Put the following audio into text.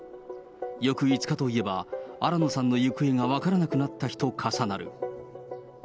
翌５日といえば、新野さんの行方が分からなくなった日と重なる。